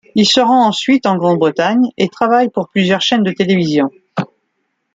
Il se rend ensuite en Grande-Bretagne et travaille pour plusieurs chaînes de télévision.